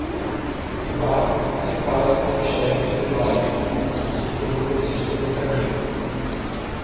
"Vá e fale com os chefes tribais?" disse o motorista do camelo.